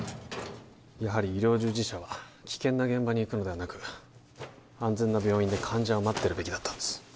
やはり医療従事者は危険な現場に行くのではなく安全な病院で患者を待ってるべきだったんです